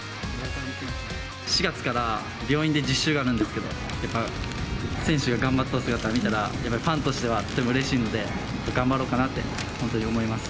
４月から、病院で実習があるんですけど、やっぱ選手が頑張っとる姿を見たら、ファンとしてはとてもうれしいので、頑張ろうかなって、本当に思います。